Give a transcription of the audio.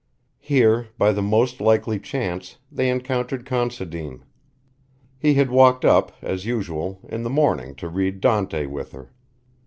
Here, by the most likely chance, they encountered Considine. He had walked up, as usual, in the morning to read Dante with her.